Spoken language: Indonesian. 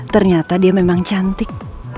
ternyata dia memang cantik